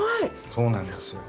そうなんですよ。